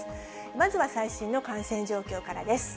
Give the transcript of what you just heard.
まずは最新の感染状況からです。